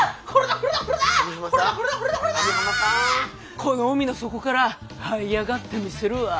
この海の底からはい上がってみせるわ。